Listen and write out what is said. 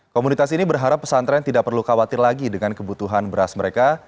komunitas ini berharap pesantren tidak perlu khawatir lagi dengan kebutuhan beras mereka